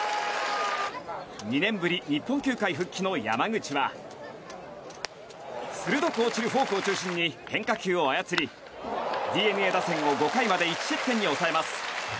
２年ぶり日本球界復帰の山口は鋭く落ちるフォークを中心に変化球を操り、ＤｅＮＡ打線を５回まで１失点に抑えます。